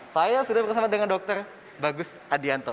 saya sudah bersama dengan dr bagus adianto